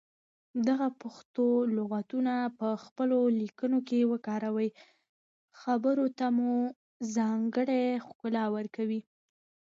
دغه پښتو لغتونه په خپلو ليکنو کې وکاروئ خبرو ته مو ځانګړې ښکلا ورکوي.